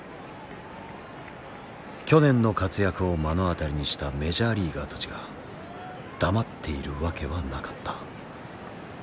去年の活躍を目の当たりにしたメジャーリーガーたちが黙っているわけはなかった。